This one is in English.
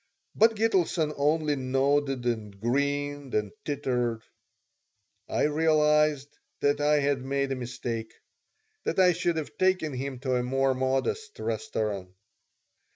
But Gitelson only nodded and grinned and tittered. I realized that I had made a mistake that I should have taken him to a more modest restaurant.